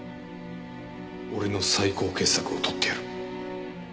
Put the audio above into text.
俺の最高傑作を撮ってやる。